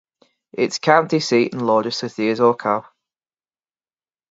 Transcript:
Its county seat and largest city is Arco.